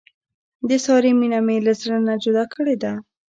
د سارې مینه مې له زړه نه جدا کړې ده.